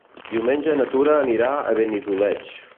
Diumenge na Tura anirà a Benidoleig.